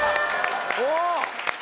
おっ！